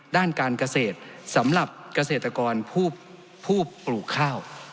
ด้านการเกษตรสำหรับเกษตรกรผู้ปลูกข้าว